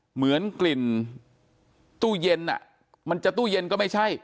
เหมือนกลิ่นตู้เย็นมันจะตู้เย็นก็ไม่ใช่